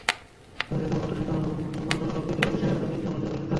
তবে যেখানে প্রত্যাশিত মানদণ্ড লঙ্ঘিত হয়েছে, সেখানে কাঙ্ক্ষিত সমালোচনা করেছেন তারা।